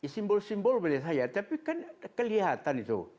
simbol simbol milik saya tapi kan kelihatan itu